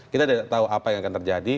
kita tidak tahu apa yang akan terjadi